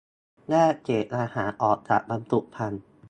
- แยกเศษอาหารออกจากบรรจุภัณฑ์